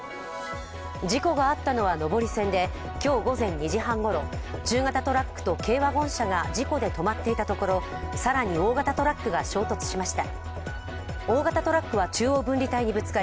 事故があったのは上り線で、今日午前２時半ごろ、中型トラックと軽ワゴン車が事故で止まっていたところ軽乗用車と乗用車が巻き込まれました。